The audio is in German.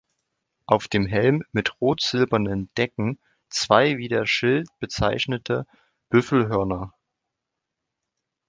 Auf dem Helm mit rot-silbernen Decken zwei wie der Schild bezeichnete Büffelhörner.